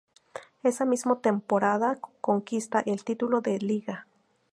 Esa misma temporada conquista el título de Liga.